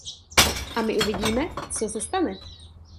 A my uvidíme, co se stane.